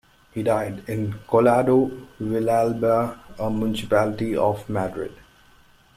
He died in Collado Villalba, a municipality of Madrid.